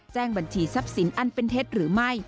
บัญชีทรัพย์สินอันเป็นเท็จหรือไม่